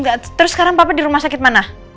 enggak terus sekarang papa di rumah sakit mana